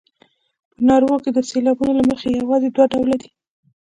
په نارو کې د سېلابونو له مخې یوازې دوه ډوله دي.